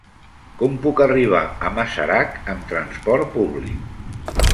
Com puc arribar a Masarac amb trasport públic?